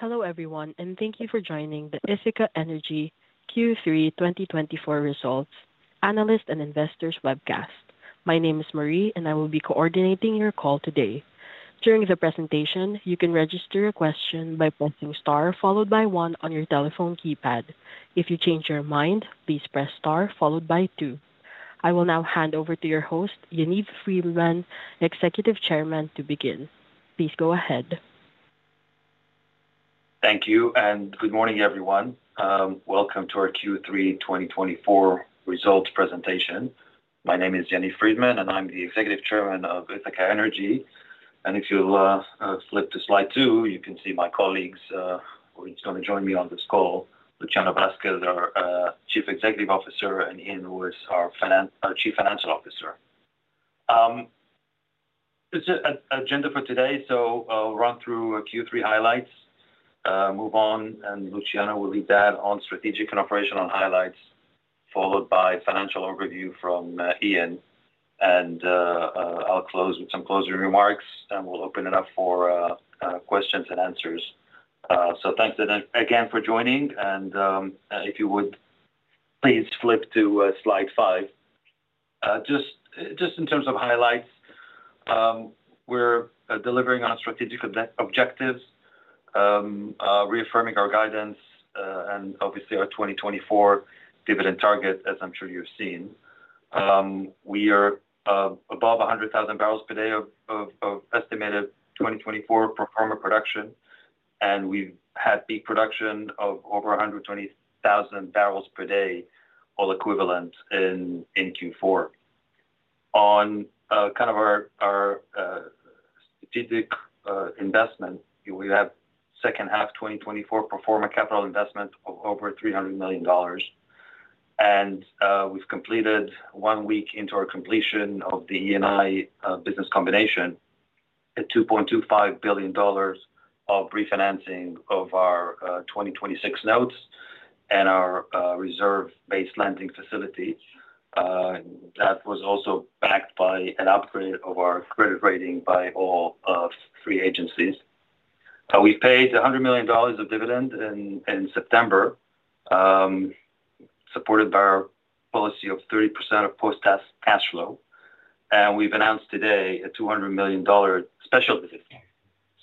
Hello everyone, and thank you for joining the Ithaca Energy Q3 2024 Results Analyst and Investors webcast. My name is Marie, and I will be coordinating your call today. During the presentation, you can register a question by pressing star followed by one on your telephone keypad. If you change your mind, please press star followed by two. I will now hand over to your host, Yaniv Friedman, Executive Chairman, to begin. Please go ahead. Thank you, and good morning everyone. Welcome to our Q3 2024 Results presentation. My name is Yaniv Friedman, and I'm the Executive Chairman of Ithaca Energy, and if you'll flip to slide two, you can see my colleagues who are going to join me on this call: Luciano Vasques, our Chief Executive Officer, and Iain Lewis, our Chief Financial Officer. Agenda for today: I'll run through Q3 highlights, move on, and Luciano will lead that on strategic and operational highlights, followed by a financial overview from Iain, and I'll close with some closing remarks, and we'll open it up for questions and answers, so thanks again for joining, and if you would, please flip to slide five. Just in terms of highlights, we're delivering on strategic objectives, reaffirming our guidance, and obviously our 2024 dividend target, as I'm sure you've seen. We are above 100,000 barrels per day of estimated 2024 pro forma production, and we've had peak production of over 120,000 barrels per day, all BOE in Q4. On kind of our strategic investment, we have second half 2024 pro forma capital investment of over $300 million, and we've completed one week into our completion of the Eni business combination at $2.25 billion of refinancing of our 2026 notes and our reserve-based lending facility. That was also backed by an upgrade of our credit rating by all three agencies. We paid $100 million of dividend in September, supported by our policy of 30% of post-tax cash flow. We’ve announced today a $200 million special dividend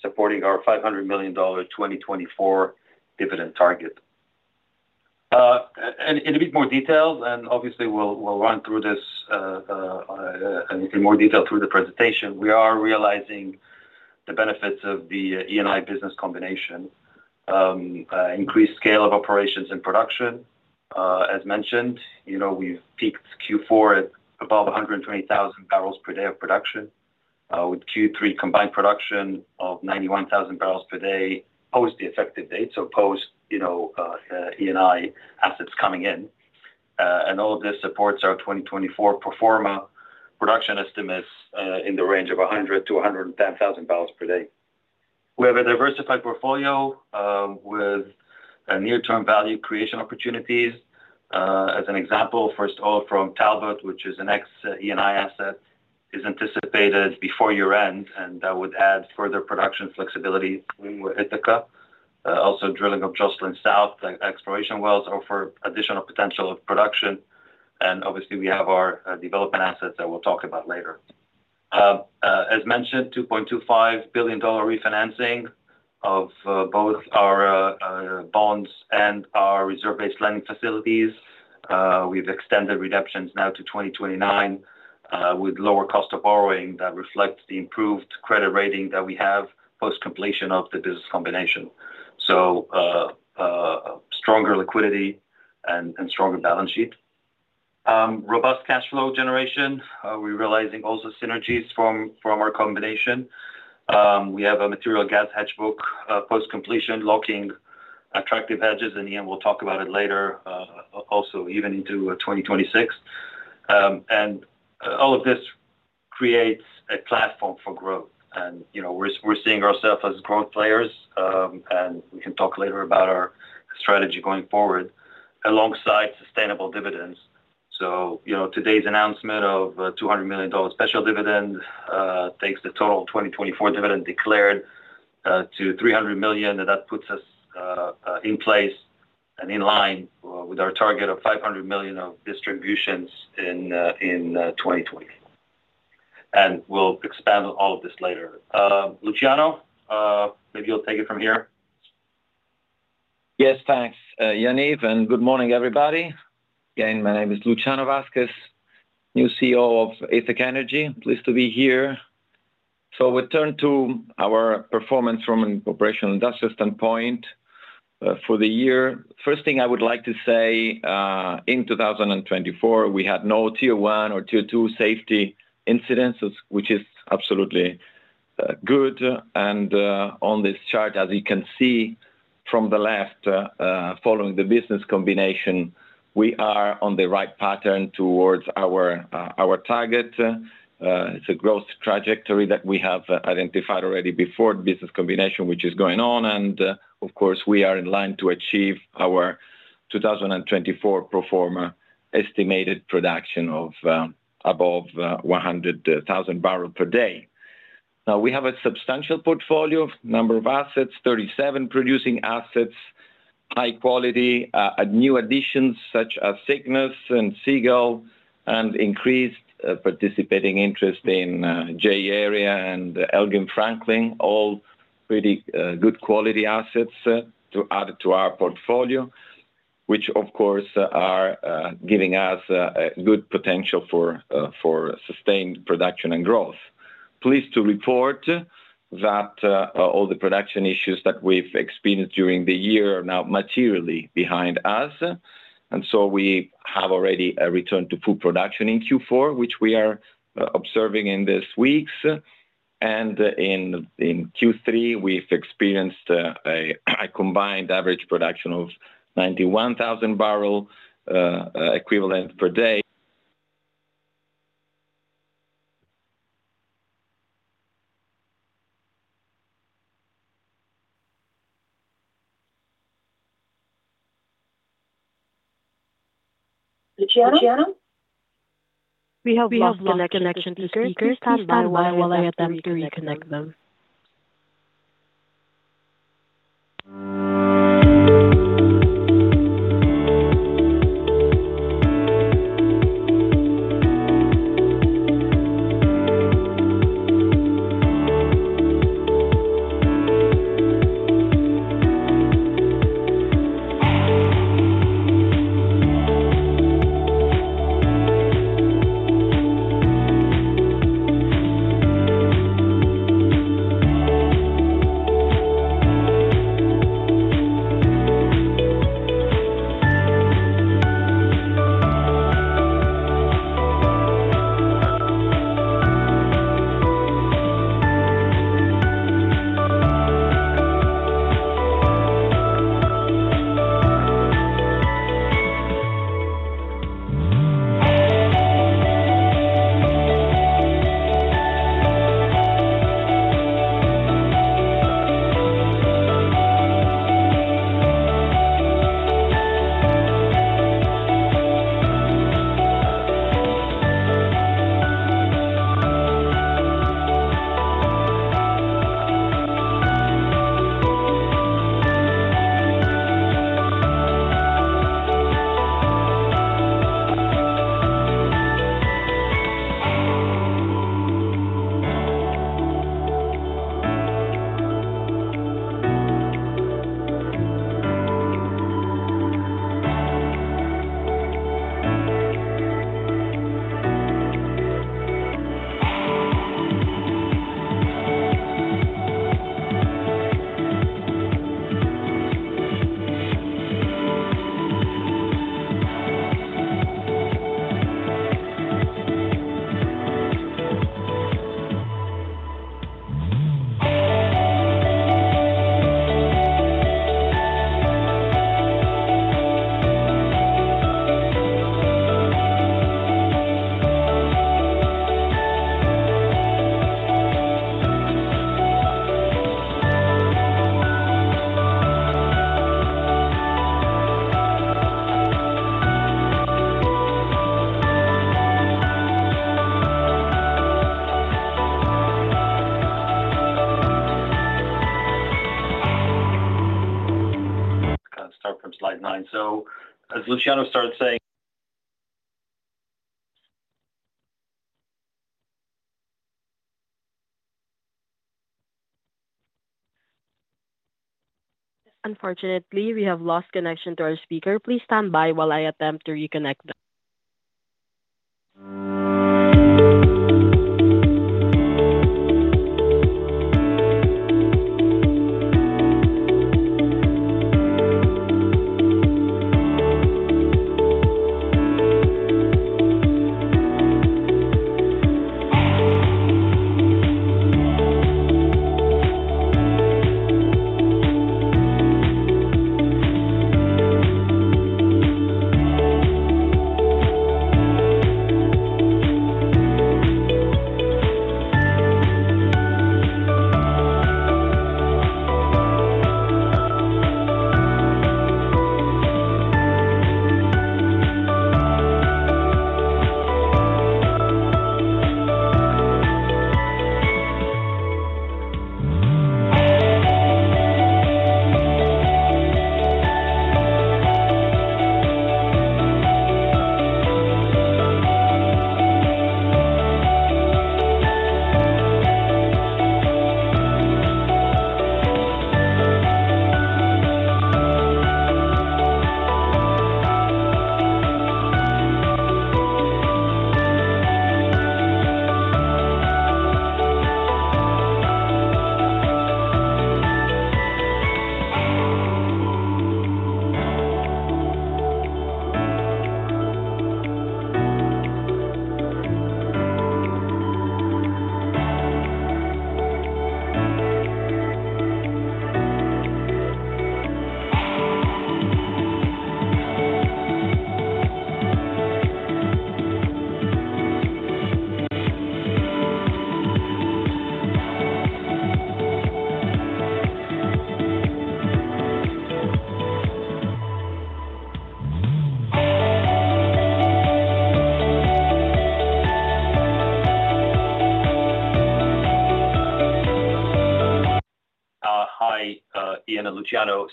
supporting our $500 million 2024 dividend target. In a bit more detail, and obviously we'll run through this in more detail through the presentation, we are realizing the benefits of the Eni business combination: increased scale of operations and production. As mentioned, we've peaked Q4 at above 120,000 barrels per day of production, with Q3 combined production of 91,000 barrels per day post the effective date, so post Eni assets coming in. And all of this supports our 2024 full-year production estimates in the range of 100,000-110,000 barrels per day. We have a diversified portfolio with near-term value creation opportunities. As an example, first off, from Talbot, which is an ex-Eni asset, is anticipated before year-end, and that would add further production flexibility when we're at Ithaca. Also, drilling of Jocelyn South exploration wells offers additional potential of production. And obviously, we have our development assets that we'll talk about later. As mentioned, $2.25 billion refinancing of both our bonds and our reserve-based lending facilities. We've extended redemptions now to 2029 with lower cost of borrowing that reflects the improved credit rating that we have post-completion of the business combination, so stronger liquidity and stronger balance sheet. Robust cash flow generation. We're realizing also synergies from our combination. We have a material gas hedge book post-completion, locking attractive hedges, and Iain will talk about it later also, even into 2026, and all of this creates a platform for growth, and we're seeing ourselves as growth players, and we can talk later about our strategy going forward alongside sustainable dividends, so today's announcement of a $200 million special dividend takes the total 2024 dividend declared to $300 million, and that puts us in place and in line with our target of $500 million of distributions in 2024. We'll expand on all of this later. Luciano, maybe you'll take it from here. Yes, thanks. Yaniv, and good morning, everybody. Again, my name is Luciano Vasques, new CEO of Ithaca Energy. Pleased to be here. We turn to our performance from an operational industrial standpoint for the year. First thing I would like to say, in 2024, we had no Tier 1 or Tier 2 safety incidents, which is absolutely good. And on this chart, as you can see from the left, following the business combination, we are on the right track towards our target. It's a growth trajectory that we have identified already before the business combination, which is going on. And of course, we are in line to achieve our 2024 full-year estimated production of above 100,000 barrels per day. Now, we have a substantial portfolio number of assets, 37 producing assets, high quality, new additions such as Cygnus and Seagull, and increased participating interest in J-Area and Elgin-Franklin, all pretty good quality assets to add to our portfolio, which of course are giving us good potential for sustained production and growth. Pleased to report that all the production issues that we've experienced during the year are now materially behind us. And so we have already returned to full production in Q4, which we are observing in these weeks. And in Q3, we've experienced a combined average production of 91,000 barrels of oil equivalent per day. Luciano? We have lost connection to speakers. Please stand while I attempt to reconnect them. Kind of start from slide nine. So as Luciano started saying. Unfortunately, we have lost connection to our speaker. Please stand by while I attempt to reconnect. Hi, Iain and Luciano.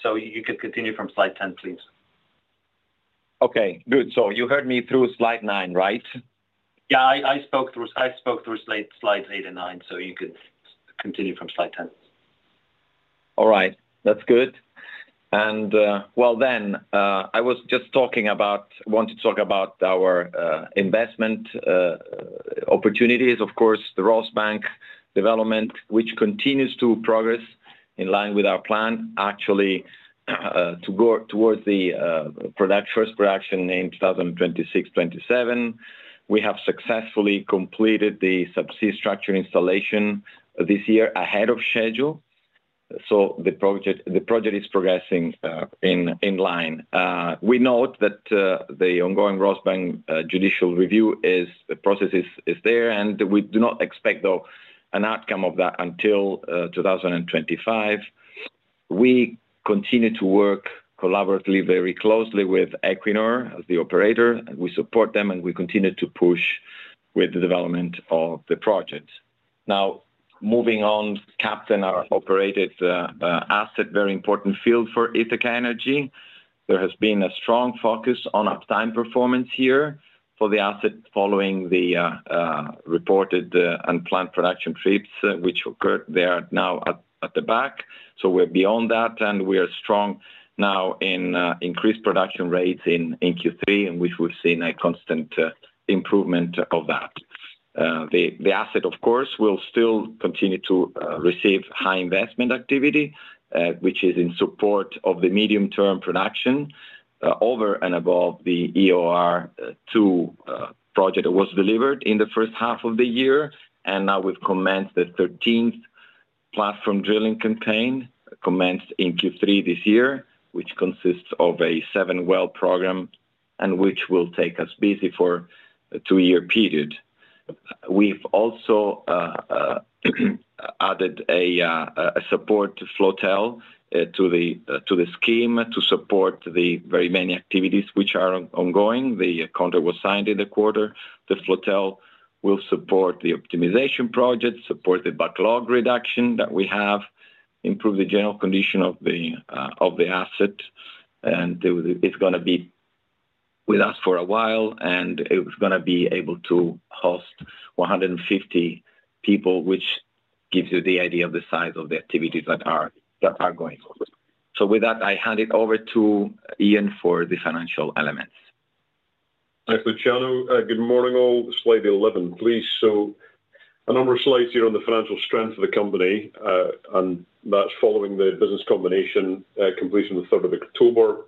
So you could continue from slide 10, please. Okay, good. So you heard me through slide nine, right? Yeah, I spoke through slide eight and nine, so you could continue from slide 10. All right, that's good. Well then, I want to talk about our investment opportunities, of course, the Rosebank development, which continues to progress in line with our plan, actually to go towards the first production in 2026-2027. We have successfully completed the subsea structure installation this year ahead of schedule, so the project is progressing in line. We note that the ongoing Rosebank judicial review process is there, and we do not expect, though, an outcome of that until 2025. We continue to work collaboratively very closely with Equinor as the operator, and we support them, and we continue to push with the development of the project. Now, moving on, Captain operated asset, very important field for Ithaca Energy. There has been a strong focus on uptime performance here for the asset following the reported unplanned production trips, which occurred there now at the back, so we're beyond that, and we are strong now in increased production rates in Q3, in which we've seen a constant improvement of that. The asset, of course, will still continue to receive high investment activity, which is in support of the medium-term production over and above the EOR II project that was delivered in the first half of the year, and now we've commenced the 13th platform drilling campaign commenced in Q3 this year, which consists of a seven well program and which will take us busy for a two-year period. We've also added a support flotel to the scheme to support the very many activities which are ongoing. The contract was signed in the quarter. The flotel will support the optimization project, support the backlog reduction that we have, improve the general condition of the asset, and it's going to be with us for a while, and it's going to be able to host 150 people, which gives you the idea of the size of the activities that are going forward. With that, I hand it over to Iain for the financial elements. Thanks, Luciano. Good morning, all. Slide 11, please. So a number of slides here on the financial strength of the company, and that's following the business combination completion on the 3rd of October.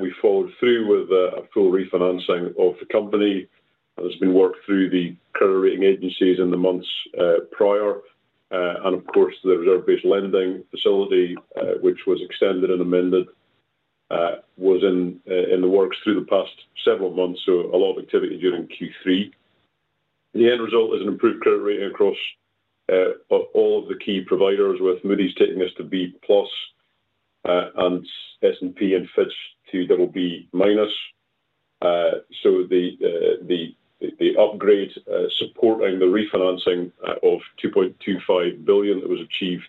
We followed through with a full refinancing of the company. There's been work through the credit rating agencies in the months prior. And of course, the reserve-based lending facility, which was extended and amended, was in the works through the past several months, so a lot of activity during Q3. The end result is an improved credit rating across all of the key providers, with Moody's taking us to B+ and S&P and Fitch to BB-. So the upgrade supporting the refinancing of $2.25 billion that was achieved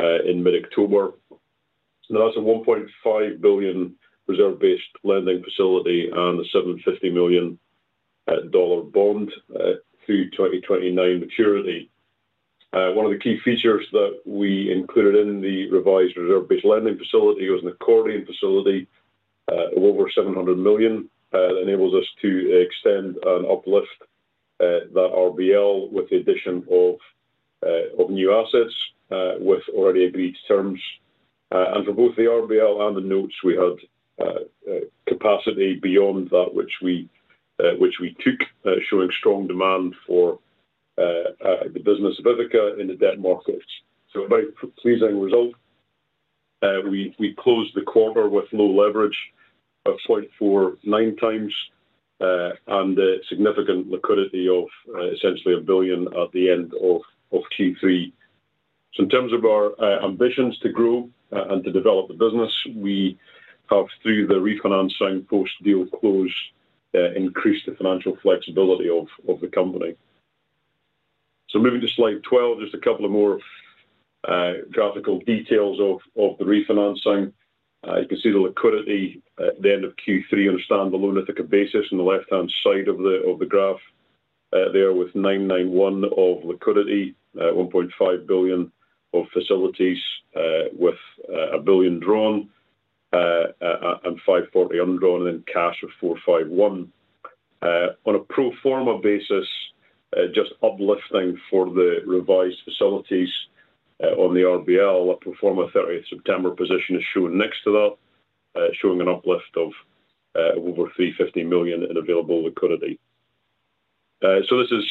in mid-October. Now, that's a $1.5 billion reserve-based lending facility and a $750 million bond through 2029 maturity. One of the key features that we included in the revised reserve-based lending facility was an accordion facility of over $700 million. That enables us to extend and uplift that RBL with the addition of new assets with already agreed terms, and for both the RBL and the notes, we had capacity beyond that, which we took, showing strong demand for the business of Ithaca in the debt markets, so a very pleasing result. We closed the quarter with low leverage of 0.49x and significant liquidity of essentially $1 billion at the end of Q3, so in terms of our ambitions to grow and to develop the business, we have, through the refinancing post-deal close, increased the financial flexibility of the company, so moving to slide 12, just a couple of more graphical details of the refinancing. You can see the liquidity at the end of Q3 on a standalone Ithaca basis on the left-hand side of the graph there with $991 million of liquidity, $1.5 billion of facilities with $1 billion drawn and $540 million undrawn, and then cash of $451 million. On a pro forma basis, just uplifting for the revised facilities on the RBL, a pro forma 30th September position is shown next to that, showing an uplift of over $350 million in available liquidity. So this is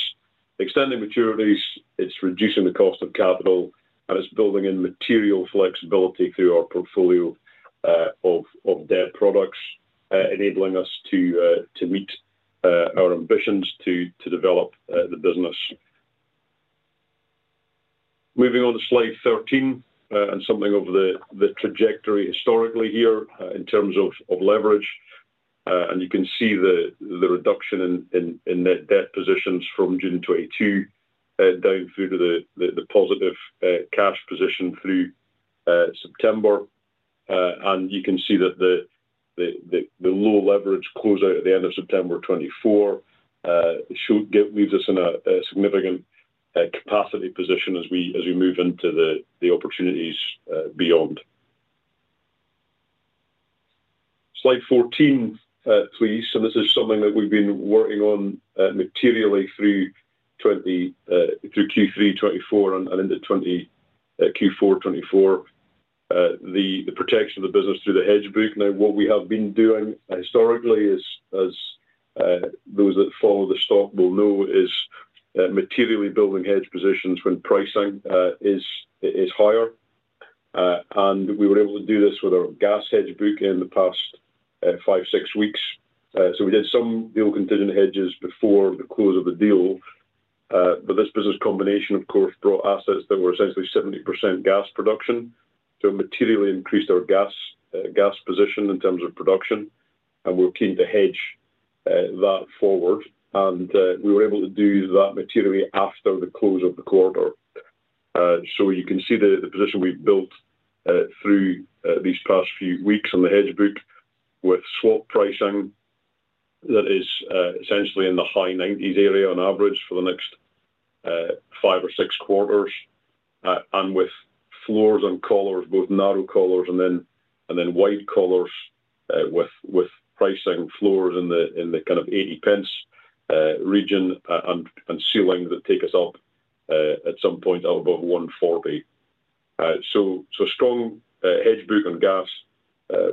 extending maturities, it's reducing the cost of capital, and it's building in material flexibility through our portfolio of debt products, enabling us to meet our ambitions to develop the business. Moving on to slide 13 and something of the trajectory historically here in terms of leverage. You can see the reduction in net debt positions from June 2022 down through to the positive cash position through September. You can see that the low leverage closeout at the end of September 2024 leaves us in a significant capacity position as we move into the opportunities beyond. Slide 14, please. This is something that we've been working on materially through Q3 2024, and into Q4 2024, the protection of the business through the hedge book. Now, what we have been doing historically, as those that follow the stock will know, is materially building hedge positions when pricing is higher. We were able to do this with our gas hedge book in the past five, six weeks. We did some deal contingent hedges before the close of the deal. This business combination, of course, brought assets that were essentially 70% gas production. It materially increased our gas position in terms of production, and we're keen to hedge that forward. And we were able to do that materially after the close of the quarter. So you can see the position we've built through these past few weeks on the hedge book with swap pricing that is essentially in the high 90s area on average for the next five or six quarters, and with floors and collars, both narrow collars and then wide collars with pricing floors in the kind of 80 pence region and ceilings that take us up at some point above 140. So strong hedge book on gas,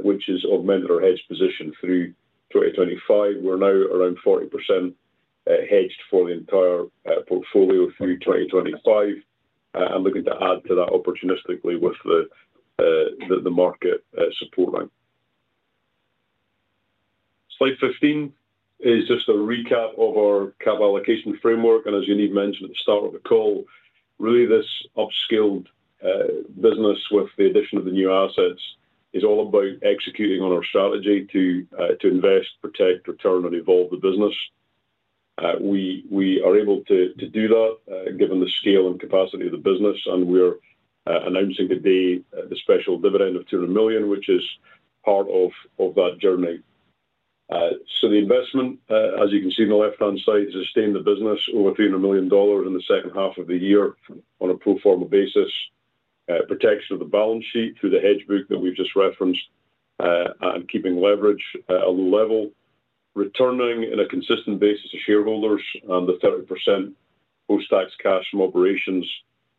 which has augmented our hedge position through 2025. We're now around 40% hedged for the entire portfolio through 2025. I'm looking to add to that opportunistically with the market supporting. Slide 15 is just a recap of our capital allocation framework. As Iain mentioned at the start of the call, really this upscaled business with the addition of the new assets is all about executing on our strategy to invest, protect, return, and evolve the business. We are able to do that given the scale and capacity of the business, and we're announcing today the special dividend of $200 million, which is part of that journey. The investment, as you can see on the left-hand side, has sustained the business over $300 million in the second half of the year on a pro forma basis, protection of the balance sheet through the hedge book that we've just referenced, and keeping leverage at a low level, returning in a consistent basis to shareholders and the 30% post-tax cash from operations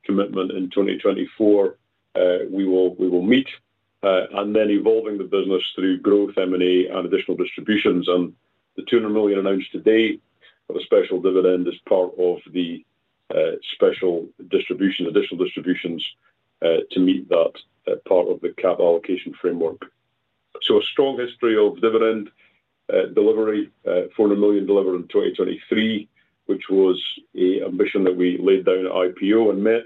commitment in 2024 we will meet, and then evolving the business through growth, M&A, and additional distributions. And the $200 million announced today of a special dividend is part of the special distribution, additional distributions to meet that part of the cap allocation framework. So a strong history of dividend delivery, $400 million delivered in 2023, which was an ambition that we laid down at IPO and met,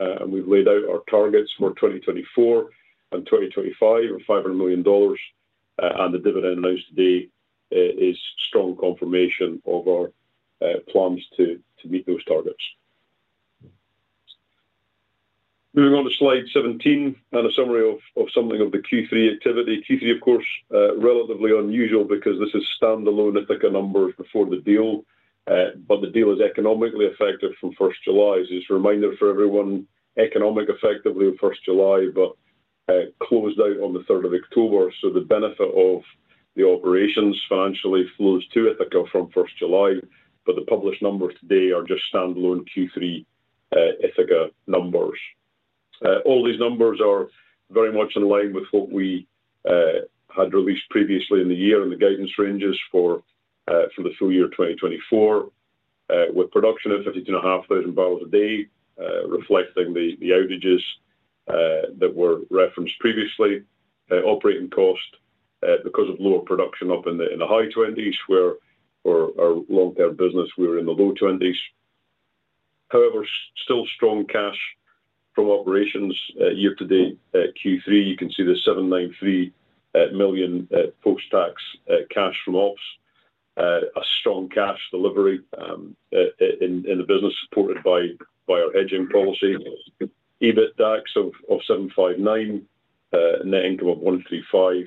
and we've laid out our targets for 2024 and 2025 of $500 million. And the dividend announced today is strong confirmation of our plans to meet those targets. Moving on to slide 17 and a summary of something of the Q3 activity. Q3, of course, relatively unusual because this is standalone Ithaca numbers before the deal, but the deal is economically effective from 1st July. This is a reminder for everyone, economic effective from 1st July, but closed out on the 3rd of October. So the benefit of the operations financially flows to Ithaca from 1st July, but the published numbers today are just standalone Q3 Ithaca numbers. All these numbers are very much in line with what we had released previously in the year and the guidance ranges for the full year 2024, with production of 52,500 barrels a day, reflecting the outages that were referenced previously, operating cost because of lower production up in the high 20s, where our long-term business, we were in the low 20s. However, still strong cash from operations year to date Q3. You can see the $793 million post-tax cash from ops, a strong cash delivery in the business supported by our hedging policy, EBITDAX of 759, net income of 135,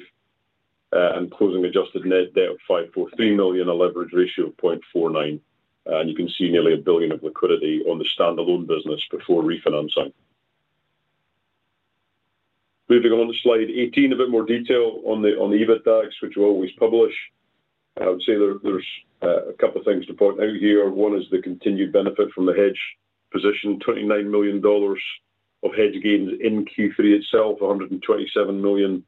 and closing adjusted net debt of 543 million, a leverage ratio of 0.49. You can see nearly a billion of liquidity on the standalone business before refinancing. Moving on to slide 18, a bit more detail on the EBITDAX, which we always publish. I would say there's a couple of things to point out here. One is the continued benefit from the hedge position, $29 million of hedge gains in Q3 itself, $127 million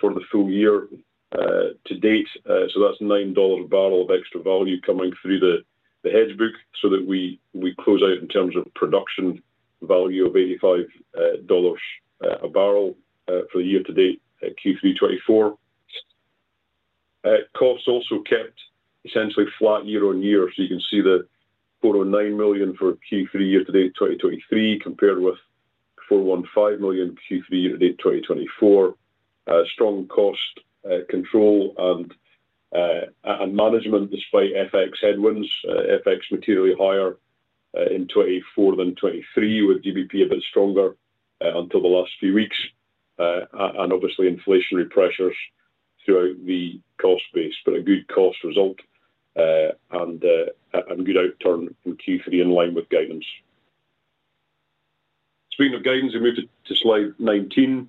for the full year to date. So that's $9 a barrel of extra value coming through the hedge book so that we close out in terms of production value of $85 a barrel for the year to date at Q3 2024. Costs also kept essentially flat year on year. So you can see the $409 million for Q3 year to date 2023 compared with $415 million Q3 year to date 2024. Strong cost control and management despite FX headwinds. FX materially higher in 2024 than 2023, with GBP a bit stronger until the last few weeks, and obviously inflationary pressures throughout the cost base, but a good cost result and good outcome in Q3 in line with guidance. Speaking of guidance, we move to slide 19.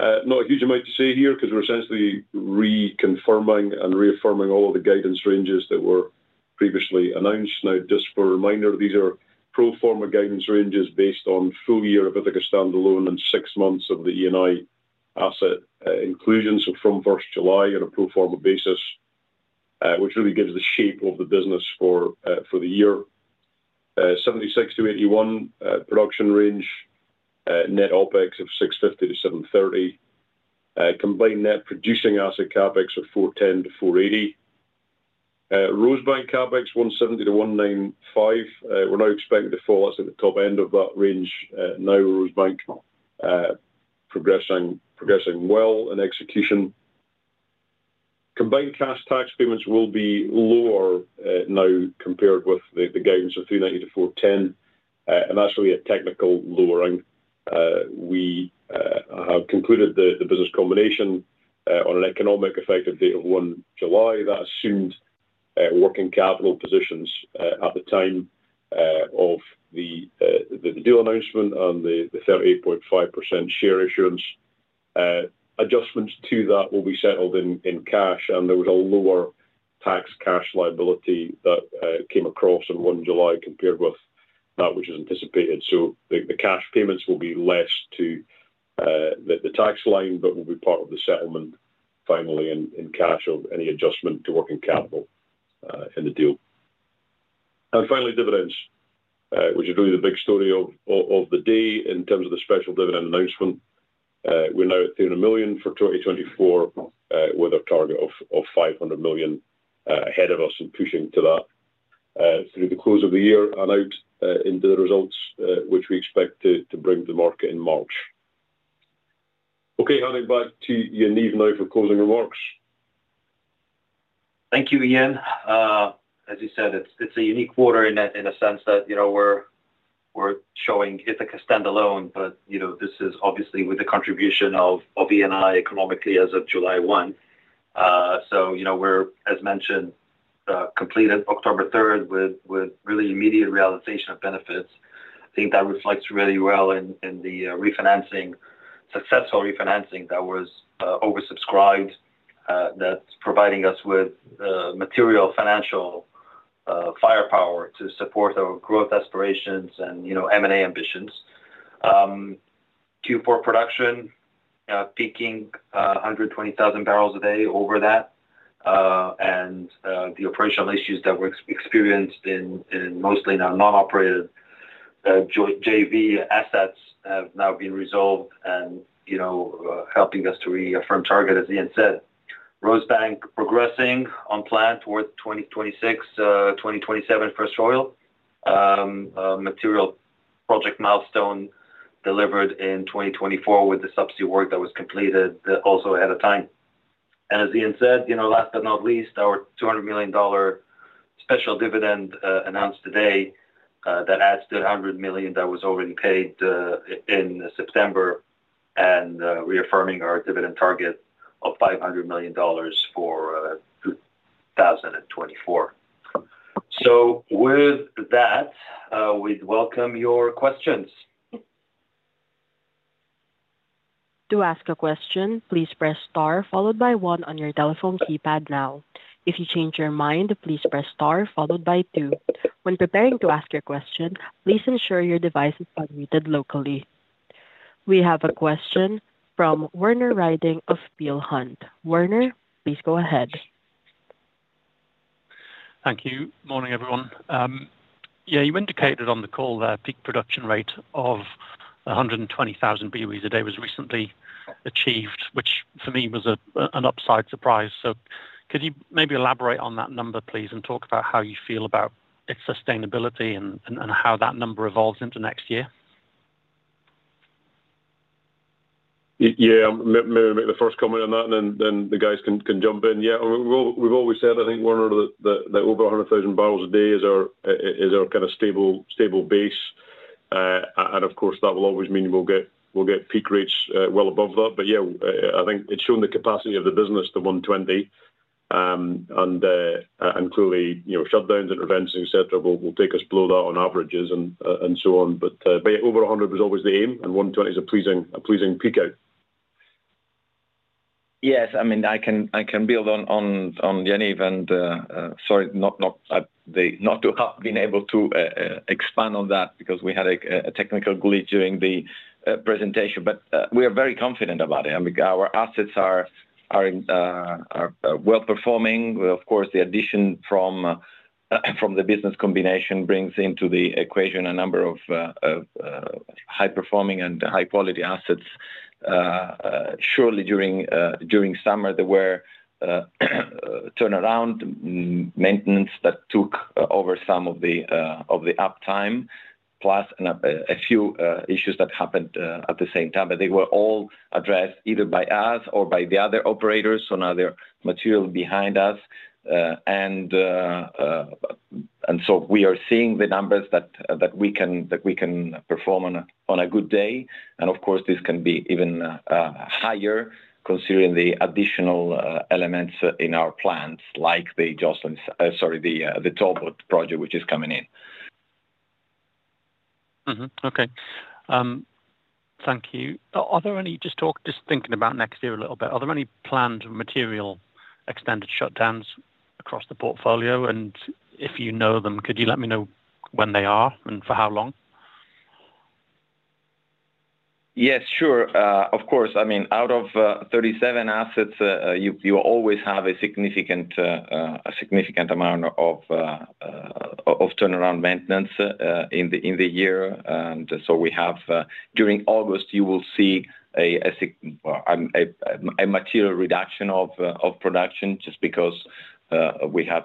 Not a huge amount to say here because we're essentially reconfirming and reaffirming all of the guidance ranges that were previously announced. Now, just for a reminder, these are pro forma guidance ranges based on full year of Ithaca standalone and six months of the Eni asset inclusion. So from 1st July on a pro forma basis, which really gives the shape of the business for the year. 76-81 production range, net OpEx of $650-$730. Combined net producing asset CapEx of $410-$480. Rosebank CapEx $170-$195. We're now expecting to fall at the top end of that range. Now, Rosebank progressing well in execution. Combined cash tax payments will be lower now compared with the guidance of $390-$410, and that's really a technical lowering. We have concluded the business combination on an economic effective date of 1 July. That assumed working capital positions at the time of the deal announcement and the 38.5% share issuance. Adjustments to that will be settled in cash, and there was a lower tax cash liability that came across on 1 July compared with that which is anticipated. So the cash payments will be less to the tax line, but will be part of the settlement finally in cash of any adjustment to working capital in the deal. And finally, dividends, which is really the big story of the day in terms of the special dividend announcement. We're now at $300 million for 2024 with a target of $500 million ahead of us and pushing to that through the close of the year and out into the results, which we expect to bring to the market in March. Okay, handing back to Yaniv now for closing remarks. Thank you, Iain. As you said, it's a unique quarter in a sense that we're showing Ithaca standalone, but this is obviously with the contribution of Eni economically as of July 1. So we're, as mentioned, completed October 3rd with really immediate realization of benefits. I think that reflects really well in the successful refinancing that was oversubscribed that's providing us with material financial firepower to support our growth aspirations and M&A ambitions. Q4 production peaking 120,000 barrels a day over that, and the operational issues that were experienced in mostly non-operated JV assets have now been resolved and helping us to reaffirm target, as Iain said. Rosebank progressing on plan towards 2026, 2027 for first oil, material project milestone delivered in 2024 with the subsea work that was completed also ahead of time. And as Iain said, last but not least, our $200 million special dividend announced today that adds to $100 million that was already paid in September and reaffirming our dividend target of $500 million for 2024. So with that, we welcome your questions. To ask a question, please press star followed by one on your telephone keypad now. If you change your mind, please press star followed by two. When preparing to ask your question, please ensure your device is unmuted locally. We have a question from Werner Riding of Peel Hunt. Werner, please go ahead. Thank you. Morning, everyone. Yeah, you indicated on the call that peak production rate of 120,000 BOEs a day was recently achieved, which for me was an upside surprise, so could you maybe elaborate on that number, please, and talk about how you feel about its sustainability and how that number evolves into next year? Yeah, I'll make the first comment on that, and then the guys can jump in. Yeah, we've always said, I think, Werner, that over 100,000 barrels a day is our kind of stable base. And of course, that will always mean we'll get peak rates well above that. But yeah, I think it's shown the capacity of the business to 120, and clearly, shutdowns, interventions, etc., will take us below that on averages and so on. But over 100 was always the aim, and 120 is a pleasing peak out. Yes, I mean, I can build on Iain Lewis, and sorry, not to have been able to expand on that because we had a technical glitch during the presentation, but we are very confident about it. Our assets are well performing. Of course, the addition from the business combination brings into the equation a number of high-performing and high-quality assets. Surely during summer, there were turnaround maintenance that took over some of the uptime, plus a few issues that happened at the same time. But they were all addressed either by us or by the other operators, so now they're materially behind us, and so we are seeing the numbers that we can perform on a good day. Of course, this can be even higher considering the additional elements in our plans, like the Talbot project, which is coming in. Okay. Thank you. Just thinking about next year a little bit, are there any planned material extended shutdowns across the portfolio, and if you know them, could you let me know when they are and for how long? Yes, sure. Of course, I mean, out of 37 assets, you always have a significant amount of turnaround maintenance in the year, and so we have, during August, you will see a material reduction of production just because we have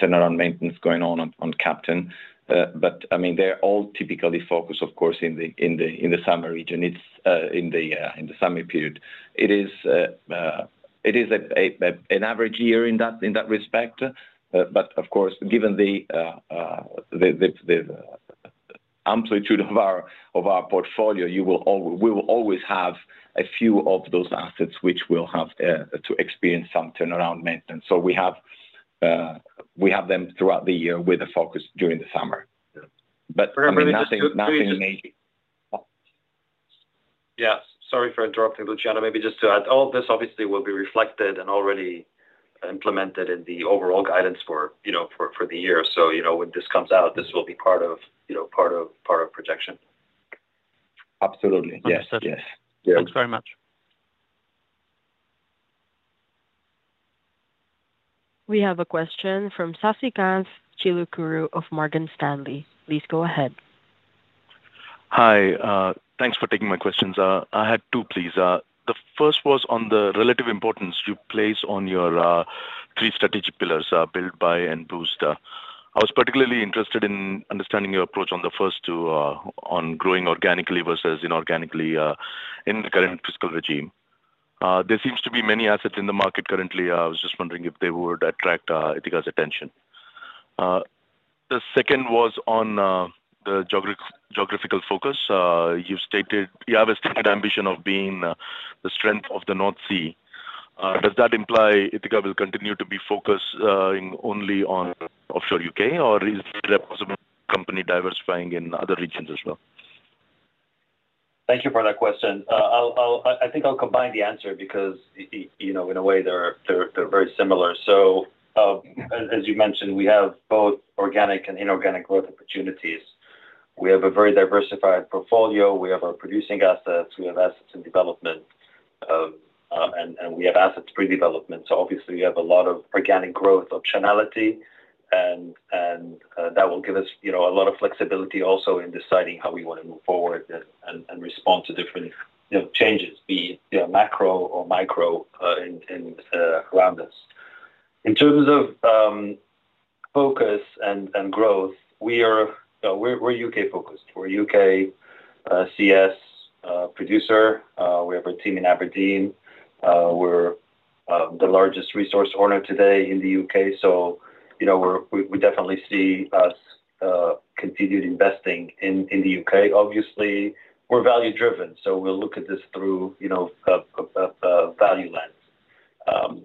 turnaround maintenance going on Captain. But I mean, they're all typically focused, of course, in the summer region. It's in the summer period. It is an average year in that respect, but of course, given the amplitude of our portfolio, we will always have a few of those assets which will have to experience some turnaround maintenance. So we have them throughout the year with a focus during the summer, but really nothing major. Yes. Sorry for interrupting, Luciano. Maybe just to add, all of this obviously will be reflected and already implemented in the overall guidance for the year. So when this comes out, this will be part of projection. Absolutely. Yes. Thanks very much. We have a question from Sasikanth Chilukuru of Morgan Stanley. Please go ahead. Hi. Thanks for taking my questions. I had two, please. The first was on the relative importance you place on your three strategic pillars, Build, Buy, and Boost. I was particularly interested in understanding your approach on the first two on growing organically versus inorganically in the current fiscal regime. There seems to be many assets in the market currently. I was just wondering if they would attract Ithaca's attention. The second was on the geographical focus. You have a stated ambition of being the strength of the North Sea. Does that imply Ithaca will continue to be focused only on offshore U.K., or is there a possible company diversifying in other regions as well? Thank you for that question. I think I'll combine the answer because in a way, they're very similar. So as you mentioned, we have both organic and inorganic growth opportunities. We have a very diversified portfolio. We have our producing assets. We have assets in development, and we have assets pre-development. So obviously, we have a lot of organic growth optionality, and that will give us a lot of flexibility also in deciding how we want to move forward and respond to different changes, be it macro or micro around us. In terms of focus and growth, we're U.K.-focused. We're a UKCS producer. We have a team in Aberdeen. We're the largest resource owner today in the U.K. So we definitely see us continued investing in the U.K. Obviously, we're value-driven, so we'll look at this through a value lens.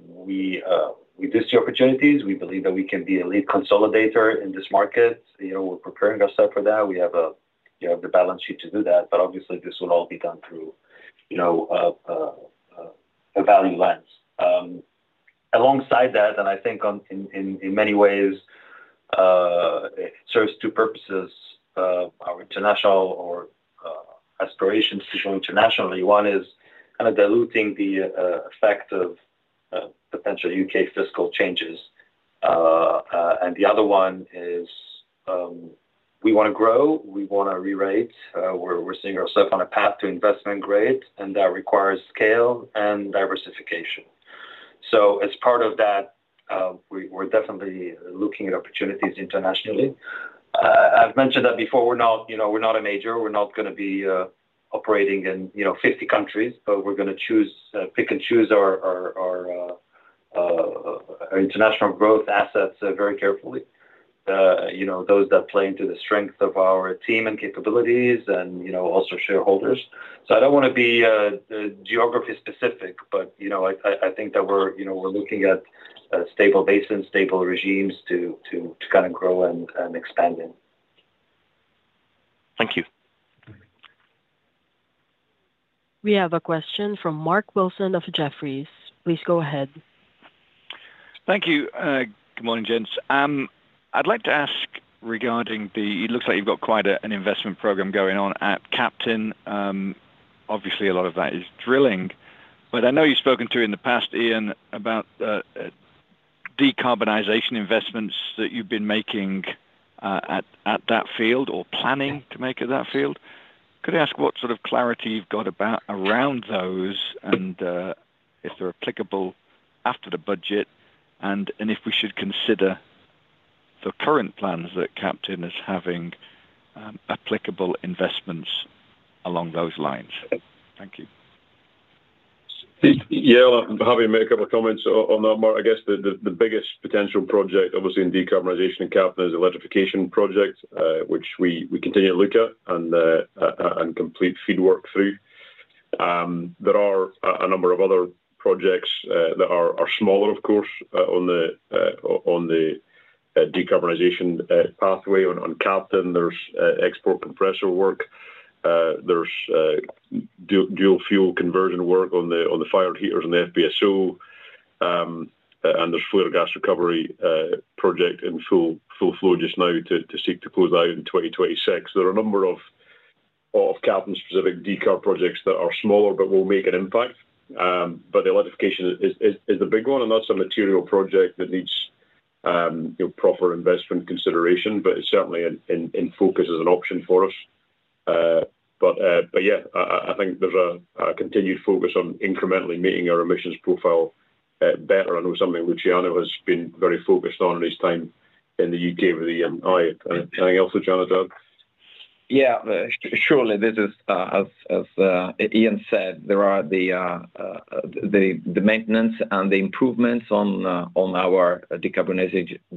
We do see opportunities. We believe that we can be a lead consolidator in this market. We're preparing ourselves for that. We have the balance sheet to do that. But obviously, this will all be done through a value lens. Alongside that, and I think in many ways, it serves two purposes: our international aspirations to grow internationally. One is kind of diluting the effect of potential U.K. fiscal changes. And the other one is we want to grow. We want to re-rate. We're seeing ourselves on a path to investment grade, and that requires scale and diversification. So as part of that, we're definitely looking at opportunities internationally. I've mentioned that before. We're not a major. We're not going to be operating in 50 countries, but we're going to pick and choose our international growth assets very carefully, those that play into the strength of our team and capabilities and also shareholders. So I don't want to be geography-specific, but I think that we're looking at stable basins, stable regimes to kind of grow and expand in. Thank you. We have a question from Mark Wilson of Jefferies. Please go ahead. Thank you. Good morning, gents. I'd like to ask regarding the, it looks like you've got quite an investment program going on at Captain. Obviously, a lot of that is drilling. But I know you've spoken to in the past, Iain, about decarbonization investments that you've been making at that field or planning to make at that field. Could I ask what sort of clarity you've got around those and if they're applicable after the budget and if we should consider the current plans that Captain is having applicable investments along those lines? Thank you. Yeah, I'm happy to make a couple of comments on that. I guess the biggest potential project, obviously, in decarbonization in Captain is the electrification project, which we continue to look at and complete FEED work through. There are a number of other projects that are smaller, of course, on the decarbonization pathway. On Captain, there's export compressor work. There's dual fuel conversion work on the fire heaters and the FPSO. And there's flue gas recovery project in full flow just now to seek to close out in 2026. There are a number of Captain-specific decarb projects that are smaller but will make an impact. But the electrification is the big one, and that's a material project that needs proper investment consideration, but it's certainly in focus as an option for us. But yeah, I think there's a continued focus on incrementally meeting our emissions profile better. I know something Luciano has been very focused on in his time in the U.K. anything else, Luciano, to add? Yeah, surely. As Iain said, there are the maintenance and the improvements on our decarbonization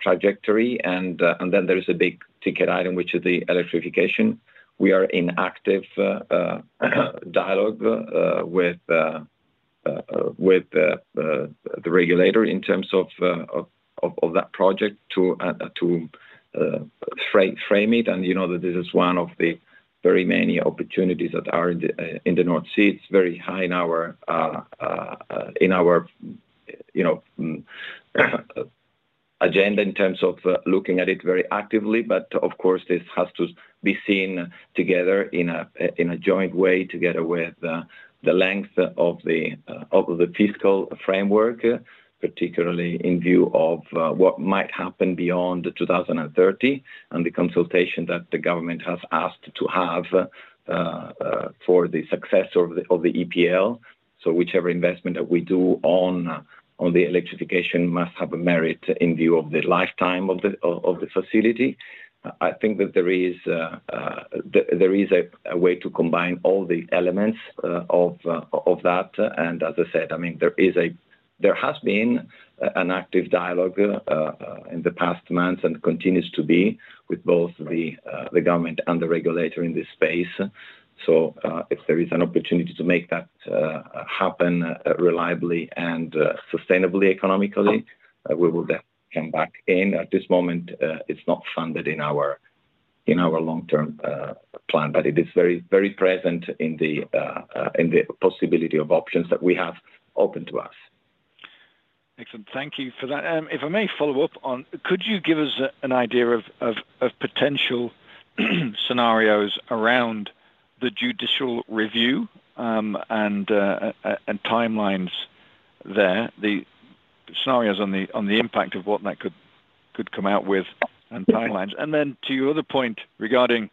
trajectory. And then there is a big ticket item, which is the electrification. We are in active dialogue with the regulator in terms of that project to frame it. And you know that this is one of the very many opportunities that are in the North Sea. It's very high in our agenda in terms of looking at it very actively. But of course, this has to be seen together in a joint way together with the length of the fiscal framework, particularly in view of what might happen beyond 2030 and the consultation that the government has asked to have for the success of the EPL. So whichever investment that we do on the electrification must have a merit in view of the lifetime of the facility. I think that there is a way to combine all the elements of that, and as I said, I mean, there has been an active dialogue in the past months and continues to be with both the government and the regulator in this space, so if there is an opportunity to make that happen reliably and sustainably economically, we will definitely come back in. At this moment, it's not funded in our long-term plan, but it is very present in the possibility of options that we have open to us. Excellent. Thank you for that. If I may follow up on, could you give us an idea of potential scenarios around the judicial review and timelines there, the scenarios on the impact of what that could come out with and timelines? And then to your other point regarding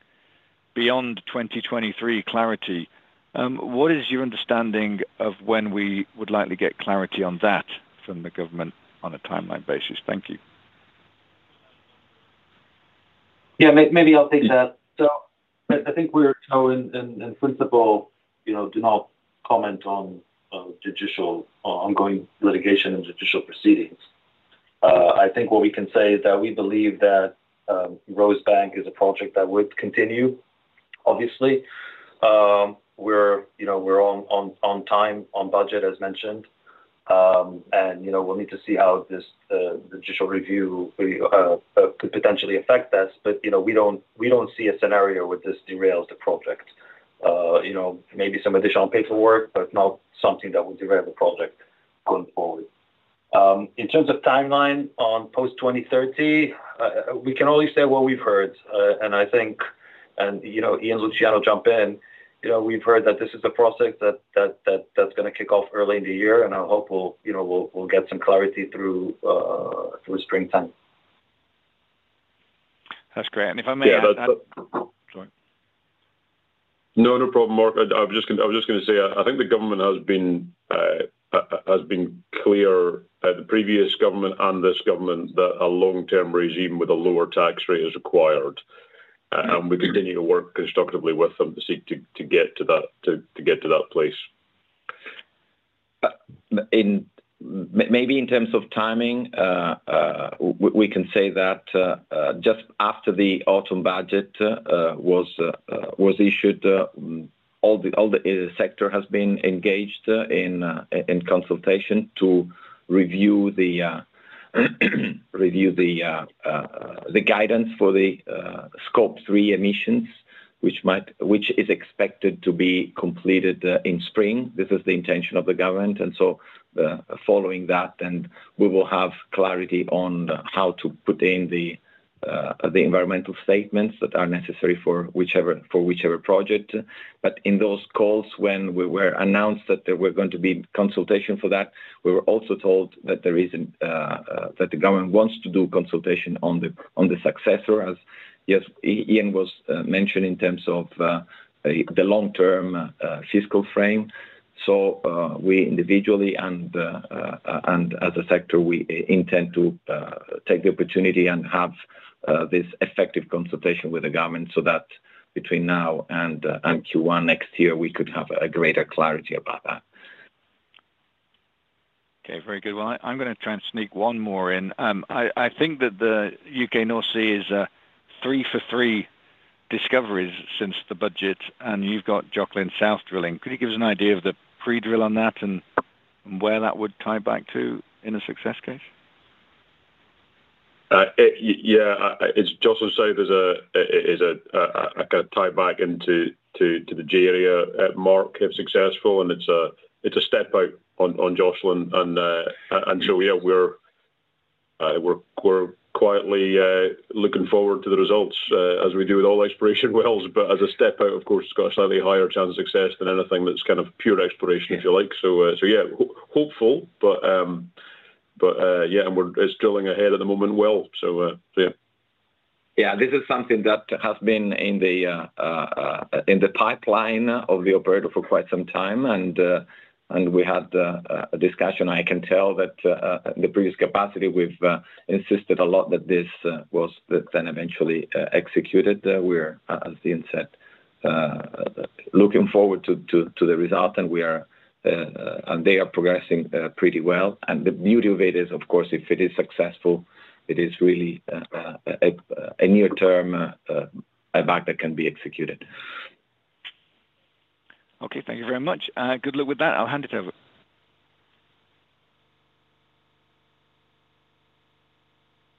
beyond 2023 clarity, what is your understanding of when we would likely get clarity on that from the government on a timeline basis? Thank you. Yeah, maybe I'll take that. So I think we in principle do not comment on ongoing litigation and judicial proceedings. I think what we can say is that we believe that Rosebank is a project that would continue, obviously. We're on time, on budget, as mentioned. We'll need to see how this judicial review could potentially affect us. We don't see a scenario where this derails the project. Maybe some additional paperwork, but not something that will derail the project going forward. In terms of timeline on post-2030, we can only say what we've heard. I think, and Iain, Luciano jump in, we've heard that this is a process that's going to kick off early in the year, and I hope we'll get some clarity through springtime. That's great, and if I may. No, no problem, Mark. I was just going to say, I think the government has been clear, the previous government and this government, that a long-term regime with a lower tax rate is required. And we continue to work constructively with them to seek to get to that place. Maybe in terms of timing, we can say that just after the Autumn Budget was issued, all the sector has been engaged in consultation to review the guidance for the Scope 3 emissions, which is expected to be completed in spring. This is the intention of the government. And so following that, we will have clarity on how to put in the environmental statements that are necessary for whichever project. But in those calls, when we were announced that there were going to be consultation for that, we were also told that the government wants to do consultation on the successor, as Iain was mentioning in terms of the long-term fiscal frame. So we individually and as a sector, we intend to take the opportunity and have this effective consultation with the government so that between now and Q1 next year, we could have a greater clarity about that. Okay, very good. Well, I'm going to try and sneak one more in. I think that the U.K. North Sea is a three for three discovery since the budget, and you've got Jocelyn South drilling. Could you give us an idea of the pre-drill on that and where that would tie back to in a success case? Yeah, Jocelyn South is a tie back into the J-Area hub, Mark, if successful, and it's a step out on Jocelyn, and so yeah, we're quietly looking forward to the results as we do with all exploration wells, but as a step out, of course, it's got a slightly higher chance of success than anything that's kind of pure exploration, if you like, so yeah, hopeful, but yeah, and it's drilling ahead at the moment, well, so yeah. Yeah, this is something that has been in the pipeline of the operator for quite some time. And we had a discussion. I can tell that in the previous capacity, we've insisted a lot that this was then eventually executed. We are, as Iain said, looking forward to the result, and they are progressing pretty well. And the beauty of it is, of course, if it is successful, it is really a near-term pipeline that can be executed. Okay, thank you very much. Good luck with that. I'll hand it over.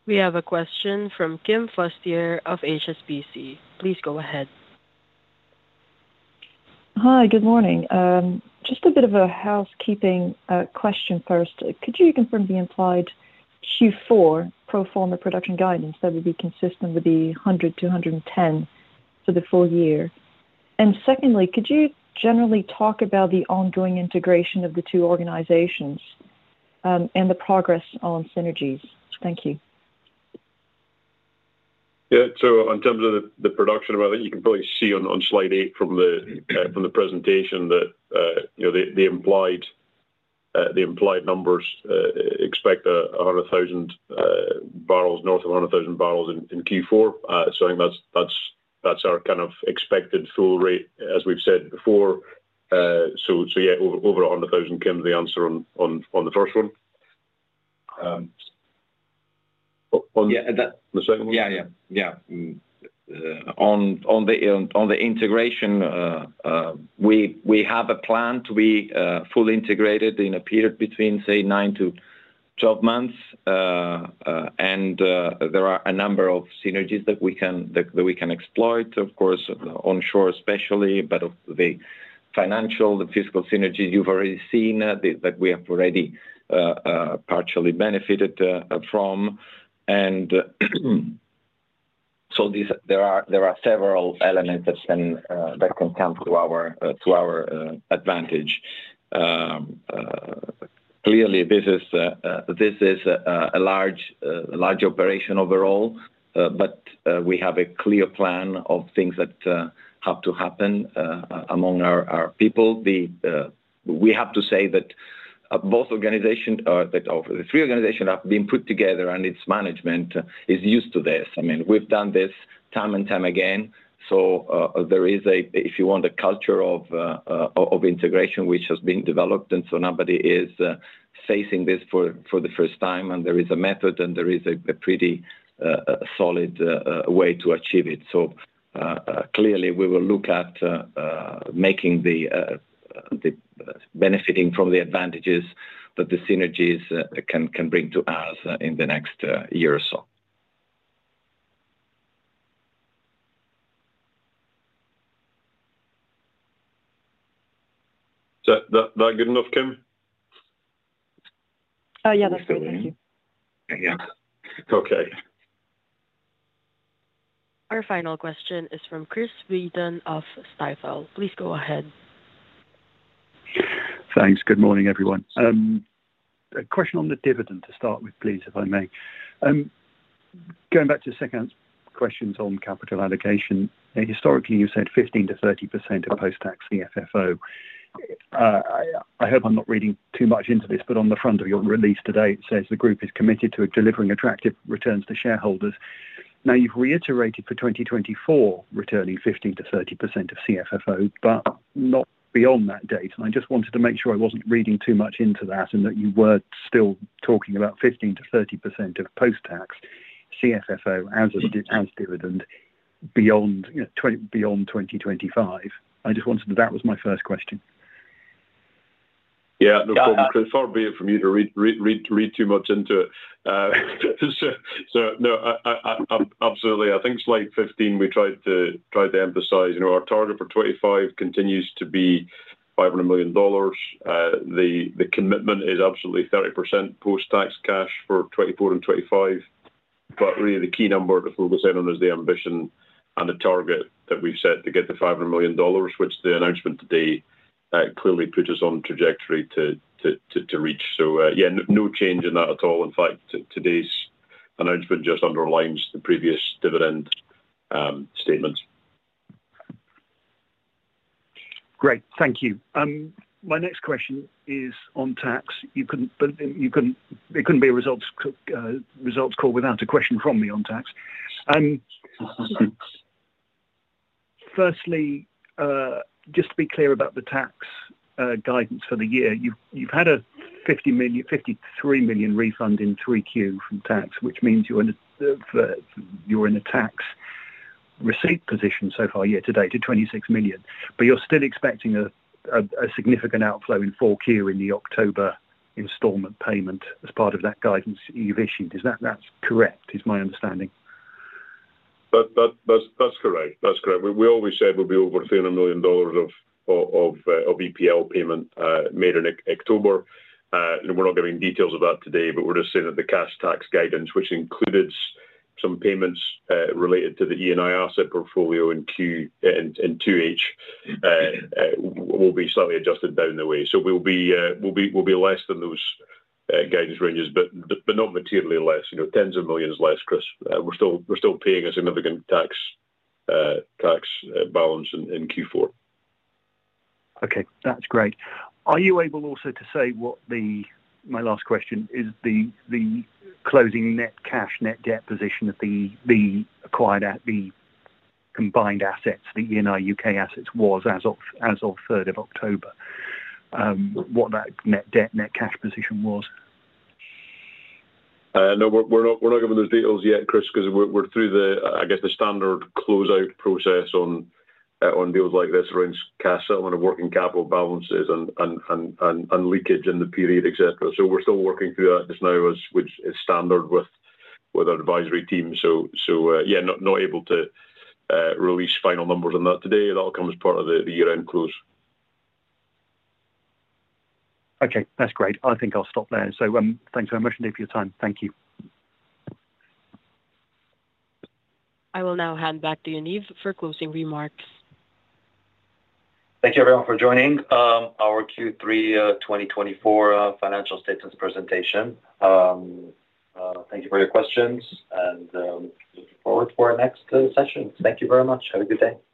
We have a question from Kim Fustier of HSBC. Please go ahead. Hi, good morning. Just a bit of a housekeeping question first. Could you confirm the implied Q4 pro forma production guidance that would be consistent with the 100-110 for the full year? And secondly, could you generally talk about the ongoing integration of the two organizations and the progress on synergies? Thank you. Yeah, so in terms of the production of it, you can probably see on slide eight from the presentation that the implied numbers expect 100,000 barrels, north of 100,000 barrels in Q4. So I think that's our kind of expected full rate, as we've said before. So yeah, over 100,000 came to the answer on the first one. On the second one? Yeah, yeah. Yeah. On the integration, we have a plan to be fully integrated in a period between, say, nine to 12 months, and there are a number of synergies that we can exploit, of course, onshore especially, but the financial, the fiscal synergies you've already seen that we have already partially benefited from, and so there are several elements that can come to our advantage. Clearly, this is a large operation overall, but we have a clear plan of things that have to happen among our people. We have to say that both organizations or the three organizations have been put together, and its management is used to this. I mean, we've done this time and time again, so there is, if you want, a culture of integration which has been developed, and so nobody is facing this for the first time. There is a method, and there is a pretty solid way to achieve it. Clearly, we will look at making the benefiting from the advantages that the synergies can bring to us in the next year or so. Is that good enough, Kim? Oh, yeah, that's great. Thank you. Yeah. Okay. Our final question is from Chris Wheaton of Stifel. Please go ahead. Thanks. Good morning, everyone. A question on the dividend to start with, please, if I may. Going back to the second question on capital allocation, historically, you said 15%-30% of post-tax CFFO. I hope I'm not reading too much into this, but on the front of your release today, it says the group is committed to delivering attractive returns to shareholders. Now, you've reiterated for 2024 returning 15%-30% of CFFO, but not beyond that date. And I just wanted to make sure I wasn't reading too much into that and that you were still talking about 15%-30% of post-tax CFFO as dividend beyond 2025. I just wanted to know. That was my first question. Yeah, no problem. Don't read too much into it. So no, absolutely. I think slide 15, we tried to emphasize our target for 2025 continues to be $500 million. The commitment is absolutely 30% post-tax cash for 2024 and 2025. But really, the key number to focus in on is the ambition and the target that we've set to get the $500 million, which the announcement today clearly put us on trajectory to reach. So yeah, no change in that at all. In fact, today's announcement just underlines the previous dividend statements. Great. Thank you. My next question is on tax. It couldn't be a results call without a question from me on tax. Firstly, just to be clear about the tax guidance for the year, you've had a $53 million refund in 3Q from tax, which means you're in a tax receipt position so far year to date of $26 million. But you're still expecting a significant outflow in 4Q in the October installment payment as part of that guidance you've issued. Is that correct? It's my understanding. That's correct. That's correct. We always said we'll be over $300 million of EPL payment made in October. We're not giving details of that today, but we're just saying that the cash tax guidance, which included some payments related to the Eni asset portfolio in Q3, will be slightly adjusted down the way. So we'll be less than those guidance ranges, but not materially less. Tens of millions less, Chris. We're still paying a significant tax balance in Q4. Okay. That's great. Are you able also to say what my last question is, the closing net cash, net debt position of the acquired, the combined assets, the Eni U.K. assets was as of 3rd of October, what that net debt, net cash position was? No, we're not giving those details yet, Chris, because we're through the, I guess, the standard closeout process on deals like this around cash settlement of working capital balances and leakage in the period, etc. So we're still working through that just now, which is standard with our advisory team. So yeah, not able to release final numbers on that today. That'll come as part of the year-end close. Okay. That's great. I think I'll stop there. So thanks very much indeed for your time. Thank you. I will now hand back to Yaniv for closing remarks. Thank you everyone for joining our Q3 2024 financial statements presentation. Thank you for your questions, and looking forward to our next session. Thank you very much. Have a good day.